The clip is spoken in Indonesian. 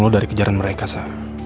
lo dari kejaran mereka sa